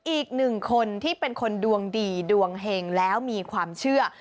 อีกหนึ่งคนที่เป็นคนดวงดีดวงเห็งแล้วมีความเชื่อ